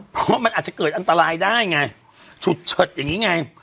เพราะว่ามันอาจจะเกิดอันตรายได้ไงฉุดเฉิดอย่างนี้ไง